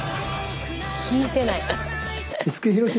聴いてない。